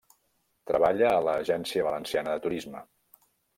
Treballa a l'Agència Valenciana de Turisme.